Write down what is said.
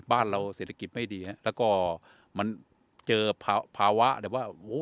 บ้านเราเศรษฐกิจไม่ดีฮะแล้วก็มันเจอภาวะแบบว่า